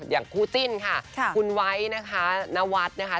อย่างคู่จิ้นค่ะคุณไว้นะคะนวัฒน์นะคะ